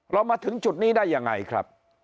มาถึงจุดนี้ได้ยังไงครับ